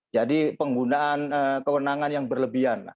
jadi penggunaan kewenangan yang berlebihan